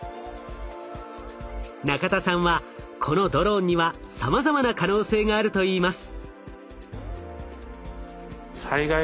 中田さんはこのドローンにはさまざまな可能性があるといいます。